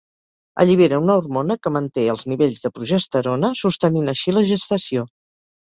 Allibera una hormona que manté els nivells de progesterona, sostenint així la gestació.